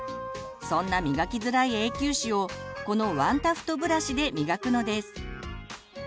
そんな磨きづらい永久歯をこのワンタフトブラシで磨くのです。